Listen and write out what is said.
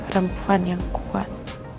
rempuan yang kuat